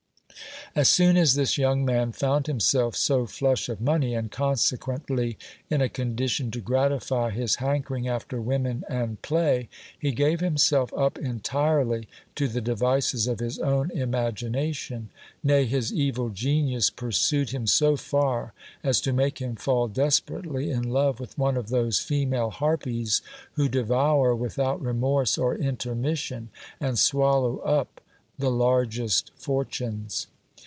As soon as this young man found himself so flush of money, and consequently in a condition to gratify his hankering after women and play, he gave himself up entirely to the devices of his own imagination ; nay, his evil genius pursued him so far, as to make him fall desperately in love with one of those female harpies, who devour without remorse or intermission, and swallow up the largest fortunes.